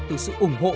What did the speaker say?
từ sự ủng hộ